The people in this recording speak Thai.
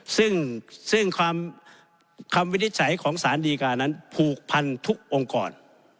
ซึ่งคำวินิจฉัยของสารดีการนั้นผูกพันทุกองค์กร